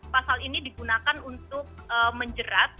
pasal ini digunakan untuk menjerat